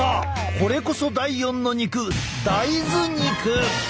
これこそ第４の肉大豆肉！